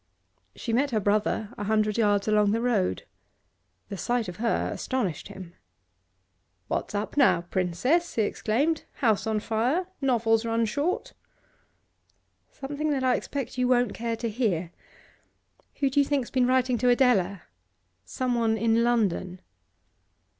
She met her brother a hundred yards along the road. The sight of her astonished him. 'What's up now, Princess?' he exclaimed. 'House on fire? Novels run short?' 'Something that I expect you won't care to hear. Who do you think's been writing to Adela? Someone in London.